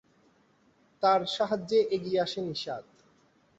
তার সাহায্যে এগিয়ে আসে নিশাত।